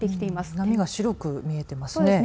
波が白く見えていますね。